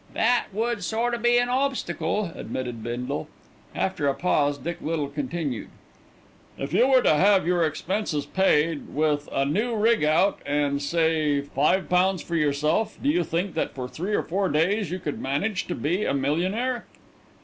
"That would sort o' be a obstacle," admitted Bindle. After a pause Dick Little continued, "If you were to have your expenses paid, with a new rig out and, say, five pounds for yourself, do you think that for three or four days you could manage to be a millionaire?"